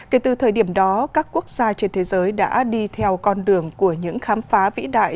kể từ thời điểm đó các quốc gia trên thế giới đã đi theo con đường của những khám phá vĩ đại